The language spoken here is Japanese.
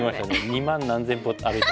２万何千歩歩いた。